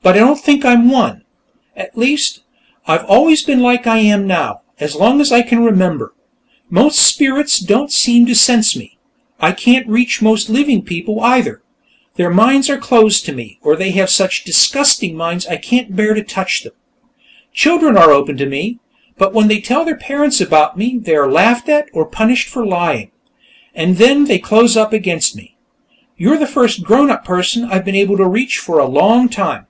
But I don't think I'm one. At least, I've always been like I am now, as long as I can remember. Most spirits don't seem to sense me. I can't reach most living people, either; their minds are closed to me, or they have such disgusting minds I can't bear to touch them. Children are open to me, but when they tell their parents about me, they are laughed at, or punished for lying, and then they close up against me. You're the first grown up person I've been able to reach for a long time."